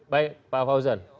baik pak fauzan